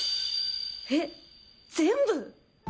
えっ全部？